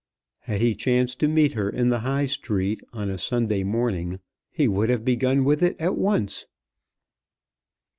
Had he chanced to meet her in the High Street on a Sunday morning, he would have begun with it at once.